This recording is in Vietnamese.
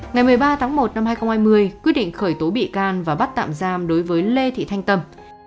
ngày một mươi ba tháng một năm hai nghìn hai mươi quyết định khởi tố bị can và bắt tạm giam đối với lê thị thanh tâm